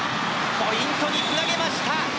ポイントにつなげました！